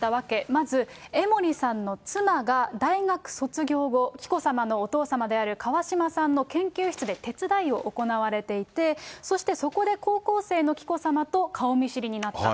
まず、江森さんの妻が大学卒業後、紀子さまのお父様である川嶋さんの研究室で手伝いを行われていて、そしてそこで高校生の紀子さまと顔見知りになった。